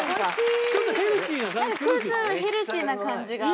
くずヘルシーな感じが。